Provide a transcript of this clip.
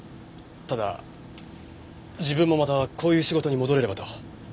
ただ自分もまたこういう仕事に戻れればと。